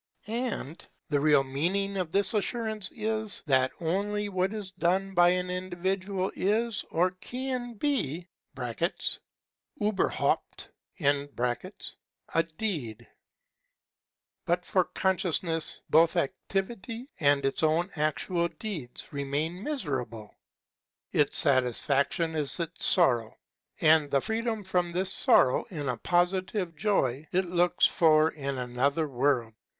And the real meaning of this assurance is that only what is done by an individual is or can be [ueberhaupt] a deed. But for con sciousness both activity and its own actual deeds remain mis erable. Its satisfaction is its sorrow, and the freedom from this sorrow, in a positive joy, it looks for in another world.